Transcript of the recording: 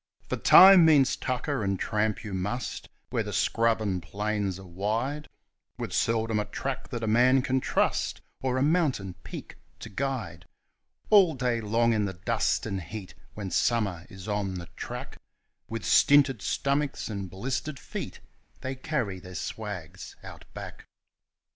For time means tucker, and tramp you must, where the scrubs and plains are wide, With seldom a track that a man can trust, or a mountain peak to guide; All day long in the dust and heat when summer is on the track With stinted stomachs and blistered feet, they carry their swags Out Back.